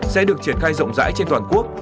sẽ được triển khai rộng rãi trên toàn quốc